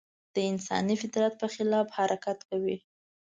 د انساني فطرت په خلاف حرکت کوي.